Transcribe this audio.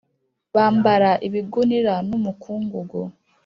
Bambara ibigunira n umukungugu